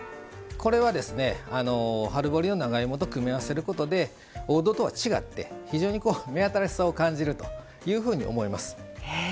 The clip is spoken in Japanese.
これは春掘りの長芋と組み合わせることで王道とは違って非常に目新しさを感じるというふうに思います。